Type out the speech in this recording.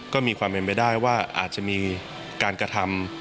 ก็มีความเป็นไปได้ว่าอาจจะมีการกระทำ